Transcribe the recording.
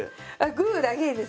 グーだけです。